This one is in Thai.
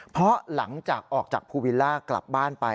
เพราะหลังจากออกจากภูวิลล่ากลับบ้านไป